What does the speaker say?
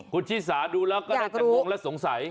คุณชิสาดูแล้วก็ได้จัดห่วงและสงสัย